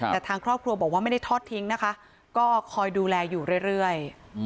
แต่ทางครอบครัวบอกว่าไม่ได้ทอดทิ้งนะคะก็คอยดูแลอยู่เรื่อย